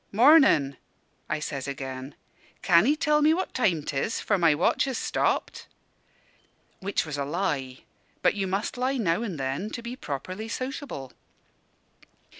'Mornin'!' I says again. 'Can 'ee tell me what time 'tis? for my watch is stopped' which was a lie; but you must lie now and then, to be properly sociable.